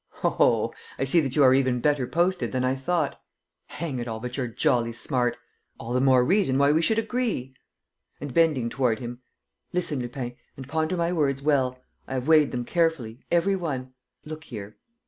"Oho! I see that you are even better posted than I thought! ... Hang it all, but you're jolly smart! ... All the more reason why we should agree." And, bending toward him, "Listen, Lupin, and ponder my words well; I have weighed them carefully, every one. Look here.